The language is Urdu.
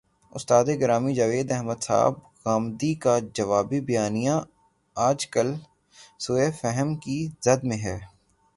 استاد گرامی جاوید احمد صاحب غامدی کا جوابی بیانیہ، آج کل سوء فہم کی زد میں ہے۔